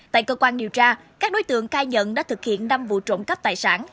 tại cơ quan điều tra các đối tượng cai nhận đã thực hiện năm vụ trộm cắp tài sản